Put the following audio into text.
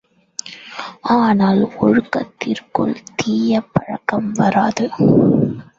ஆனால் ஒழுக்கத்திற்குள் தீய பழக்கம் வராது.